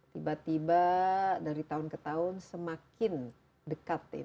tiba tiba dari tahun ke tahun semakin dekat ya